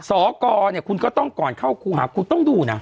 สกเนี่ยคุณก็ต้องก่อนเข้าครูหาคุณต้องดูนะ